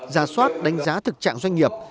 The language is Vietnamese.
giả soát đánh giá thực trạng doanh nghiệp